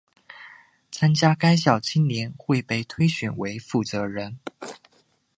参加该校青年会并被推选为负责人。